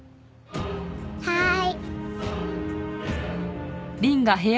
はい。